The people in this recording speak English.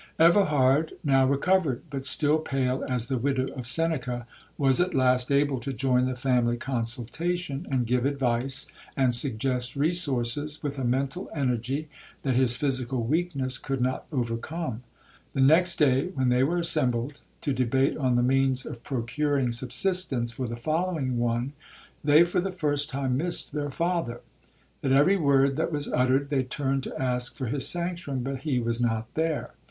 'Everhard, now recovered, but still pale as the widow of Seneca, was at last able to join the family consultation, and give advice, and suggest resources, with a mental energy that his physical weakness could not overcome. The next day, when they were assembled to debate on the means of procuring subsistence for the following one, they for the first time missed their father. At every word that was uttered, they turned to ask for his sanction—but he was not there.